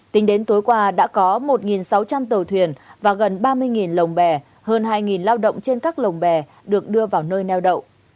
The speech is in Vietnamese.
tính đến tối qua đã có một sáu trăm linh tàu thuyền và gần ba mươi lồng bè hơn hai lao động trên các lồng bè được đưa vào nơi neo đậu